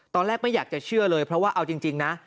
ตอนแรกไม่อยากจะเชื่อเลยเพราะว่าเอาจริงนะ